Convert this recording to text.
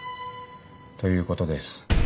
ということです。